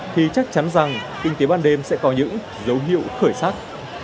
thì chắc chắn rằng kinh tế ban đêm sẽ có những dấu hiệu khởi sắc